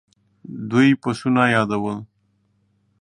دوی پسونه يادول.